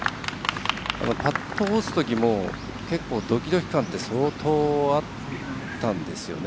パットを打つときも結構、ドキドキ感って相当あったんですよね。